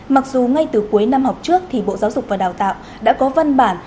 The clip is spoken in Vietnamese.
mặc dù ngay từ cuối năm học trước thì bộ giáo dục và đào tạo đã có văn bản